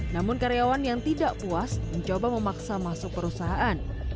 namun karyawan yang tidak puas mencoba memaksa masuk perusahaan